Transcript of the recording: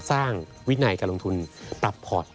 วินัยการลงทุนปรับพอร์ต